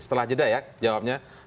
setelah jeda ya jawabnya